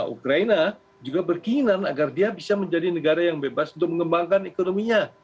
ukraina juga berkeinginan agar dia bisa menjadi negara yang bebas untuk mengembangkan ekonominya